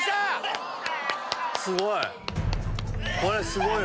すごい！